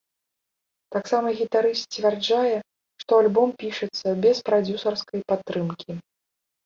Таксама гітарыст сцвярджае, што альбом пішацца без прадзюсарскай падтрымкі.